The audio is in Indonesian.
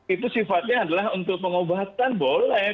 itu sifatnya adalah untuk pengobatan boleh